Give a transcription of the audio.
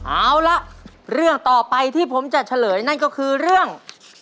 เอาละเรื่องต่อไปที่ผมจะเฉลยนั่นก็คือเรื่อง